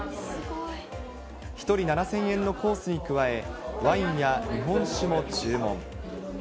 １人７０００円のコースに加え、ワインや日本酒も注文。